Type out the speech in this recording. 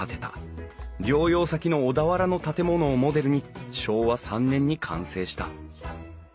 療養先の小田原の建物をモデルに昭和３年に完成した。